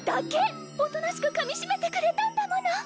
おとなしくかみしめてくれたんだもの。